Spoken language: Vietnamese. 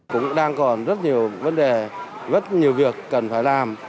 cũng đang còn rất nhiều vấn đề rất nhiều việc cần phải làm